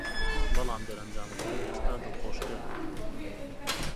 بەڵام دەرەنجامەکانی ئێستا دڵخۆشکەرن